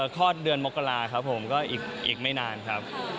คลอดเดือนมกราครับผมก็อีกไม่นานครับ